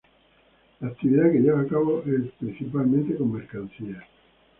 La actividad que lleva a cabo es principalmente con mercancías.